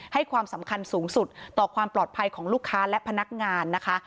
ให้ความสำคัญสูงสุดต่อความปลอดภัยของลูกค้าและพนักงานนะคะ